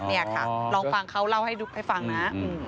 นี่ค่ะลองฟังเขาเล่าให้ฟังนะ